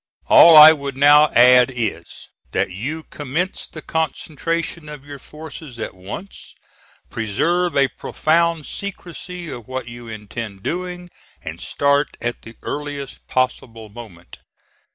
All I would now add is, that you commence the concentration of your forces at once. Preserve a profound secrecy of what you intend doing, and start at the earliest possible moment.